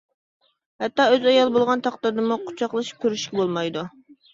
ھەتتا ئۆز ئايالى بولغان تەقدىردىمۇ قۇچاقلىشىپ كۆرۈشۈشكە بولمايدۇ.